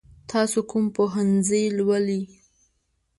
تاسو کوم پوهنځی لولئ؟